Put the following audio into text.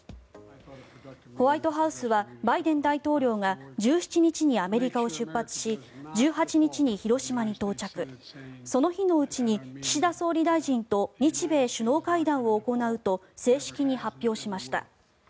ホワイトハウスはバイデン大統領が１７日にアメリカを出発し１８日に広島に到着その日のうちに岸田総理大臣と日米首脳会談を行うと正式に発表しました。